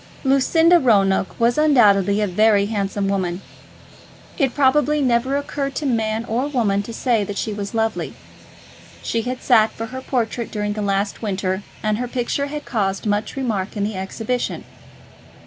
Lucinda Roanoke was undoubtedly a very handsome woman. It probably never occurred to man or woman to say that she was lovely. She had sat for her portrait during the last winter, and her picture had caused much remark in the Exhibition.